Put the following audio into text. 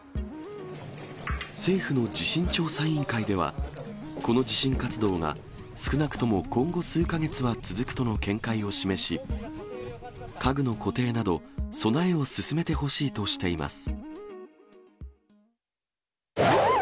政府の地震調査委員会では、この地震活動が少なくとも今後数か月は続くとの見解を示し、家具の固定など、備えを進めてほしいとしています。